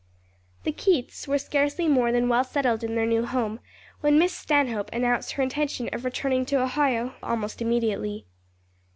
THE Keiths were scarcely more than well settled in their new home when Miss Stanhope announced her intention of returning to Ohio almost immediately.